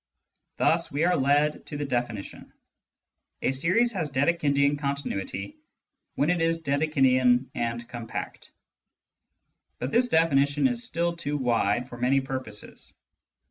Thus we are led to the definition : A series has " Dedekindian continuity " when it is Dedekindian and compact. But this definition is still too wide for many purposes.